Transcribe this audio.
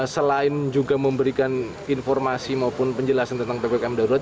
selain juga memberikan informasi maupun penjelasan tentang ppkm darurat